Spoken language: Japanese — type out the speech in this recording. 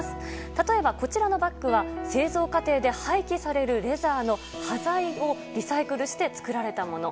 例えば、こちらのバッグは製造過程で廃棄されるレザーの端材をリサイクルして作られたもの。